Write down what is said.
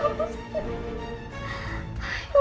mama gak tau harus gimana